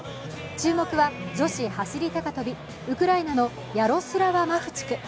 注目は女子走り高跳び、ウクライナのヤロスラワ・マフチク。